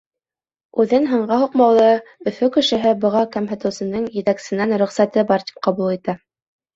Үҙен һанға һуҡмауҙы Өфө кешеһе быға кәмһетеүсенең етәксенән рөхсәте бар, тип ҡабул итә.